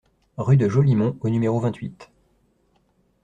Rue de Jolimont au numéro vingt-huit